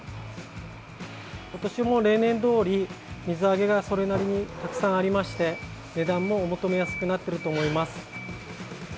今年も例年どおり、水揚げがそれなりにたくさんありまして値段もお求めやすくなっていると思います。